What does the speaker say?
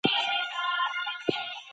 ایا ته غواړې بریالی انسان سې؟